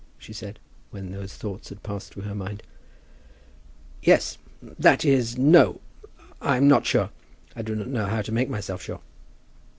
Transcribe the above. she said, when those thoughts had passed through her mind. "Yes; that is, no. I am not sure. I do not know how to make myself sure."